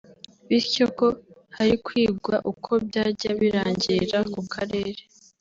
bityo ko hari kwigwa uko byajya birangirira ku Karere